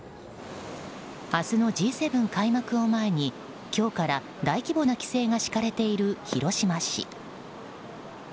明日のＧ７開幕を前に今日から大規模な規制が敷かれている広島市。